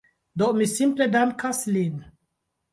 Do mi simple dankas lin